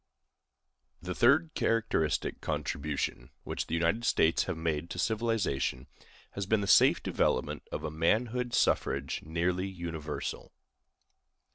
The third characteristic contribution which the United States have made to civilization has been the safe development of a manhood suffrage nearly universal.